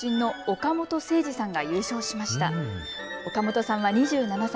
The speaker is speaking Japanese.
岡本さんは２７歳。